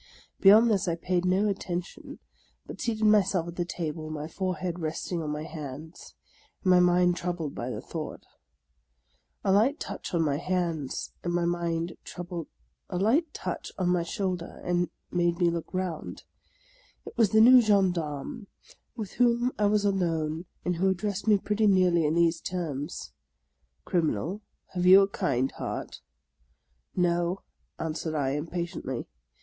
Beyond this I paid no atten tion, but seated myself at the table, my forehead resting on my hands, and my mind troubled by thought. A light touch on my shoulder made me look round. It was the new gen darme, with whom I was alone, and who addressed me pretty nearly in these terms :—" Criminal, have you a kind heart ?"" No !" answered I, impatiently.